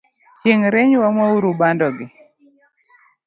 Chieng rieny wamouru bando gi